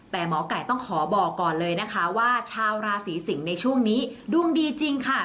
แต่หมอไก่ต้องขอบอกก่อนเลยนะคะว่าชาวราศีสิงศ์ในช่วงนี้ดวงดีจริงค่ะ